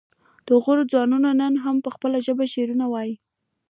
د غور ځوانان نن هم په خپله ژبه شعرونه وايي